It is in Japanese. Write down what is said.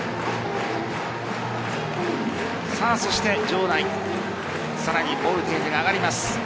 場内さらにボルテージが上がります。